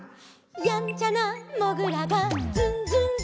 「やんちゃなもぐらがズンズンズン」